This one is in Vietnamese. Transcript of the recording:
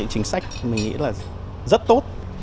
chính sách mình nghĩ là rất tốt